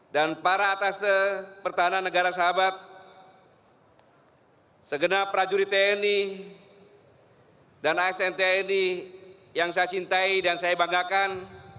dan para atas pertahanan negara sahabat segenap prajurit tni dan asntn yang saya cintai dan saya banggakan